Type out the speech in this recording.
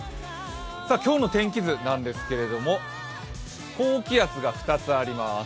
今日の天気図なんですけれども、高気圧が２つあります。